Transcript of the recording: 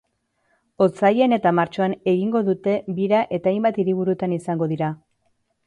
Otsailean eta martxoan egingo dute bira eta hainbat hiriburutan izango dira.